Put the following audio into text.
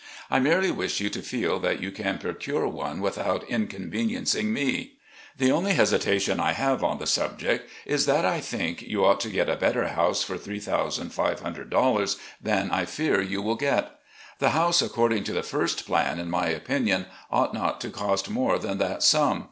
I merely wish you to feel that you can procure one without inconveniencing me. The only hesitation I have on the subject is that I think you ought to get a better house for $3,500 than I fear you will get. The house according to the first plan, in my opinion, ought not to cost more than that sum.